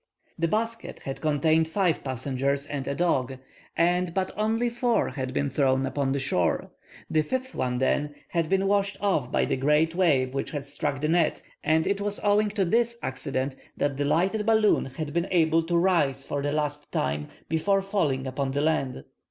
The basket had contained five passengers and a dog, and but four had been thrown upon the shore. The fifth one, then, had been washed off by the great wave which had struck the net, and it was owing to this accident that the lightened balloon had been able to rise for the last time before falling upon the land.